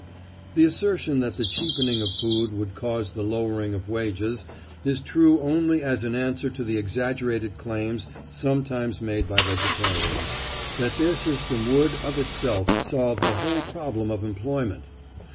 The assertion that the cheapening of food would cause the lowering of wages is true only as an answer to the exaggerated claims sometimes made by vegetarians, that their system would of itself solve the whole problem of employment.